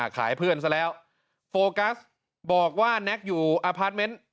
เพื่อนซะแล้วโฟกัสบอกว่าแน็กอยู่อพาร์ทเมนต์